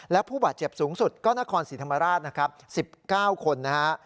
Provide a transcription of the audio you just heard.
และผู้บาดเจ็บสูงสุดก็นครศรีธรรมราช๑๙คน